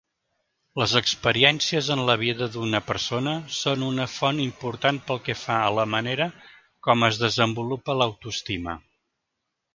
Les experiències en la vida d'una persona són una font important pel que fa a la manera com es desenvolupa l'autoestima.